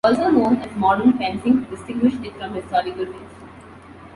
Also known as modern fencing to distinguish it from historical fencing.